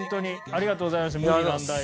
ありがとうございます。